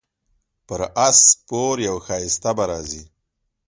پر اس سپور یو ښایسته به راځي